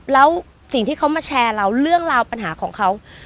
แล้วสิ่งที่เขามาแชร์เราเรื่องราวปัญหาของเขา